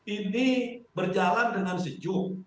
ini berjalan dengan sejuk